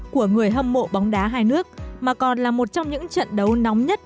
của người hâm mộ bóng đá hai nước mà còn là một trong những trận đấu nóng nhất